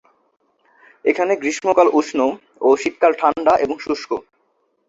এখানে গ্রীষ্মকাল উষ্ণ ও শীতকাল ঠাণ্ডা এবং শুষ্ক।